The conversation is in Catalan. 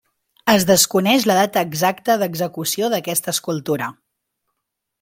Es desconeix la data exacta d'execució d'aquesta escultura.